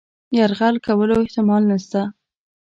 یرغل کولو احتمال نسته.